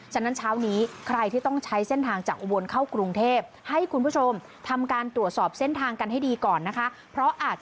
ฉะนั้นเช้าคือนี้ใครที่ต้องใช้เส้นทางจากอุโรงพยาบาลีกรุงเทพฯให้คุณผู้ชมทำการตรวจสอบเส้นทางกันให้ดีก่อนนะคะ